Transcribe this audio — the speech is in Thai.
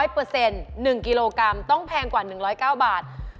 ๑๐๐เปอร์เซ็นต์๑กิโลกรัมต้องแพงกว่า๑๐๙บาท